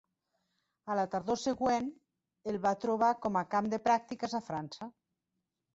A la tardor següent el va trobar com a camp de pràctiques a França.